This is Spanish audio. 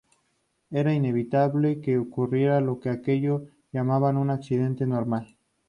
Era inevitable que ocurriría lo que ellos llamaban un 'accidente normal'.